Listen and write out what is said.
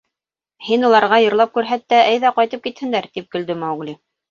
— Һин уларға йырлап күрһәт тә, әйҙә, ҡайтып китһендәр, — тип көлдө Маугли.